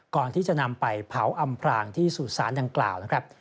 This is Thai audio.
ก่อนที่จะนำไปเผาอำพรางที่สู่สารดังกล่าวนะครับ